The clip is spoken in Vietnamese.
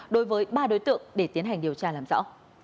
đối với ba đối tượng để tiến hành điều tra làm rõ